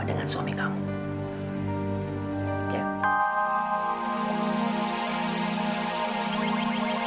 kamu harus yakin dengan takdir kamu sendiri